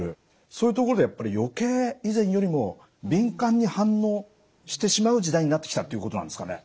そういうところでやっぱり余計以前よりも敏感に反応してしまう時代になってきたということなんですかね？